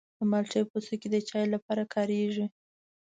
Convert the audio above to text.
د مالټې پوستکی د چای لپاره کارېږي.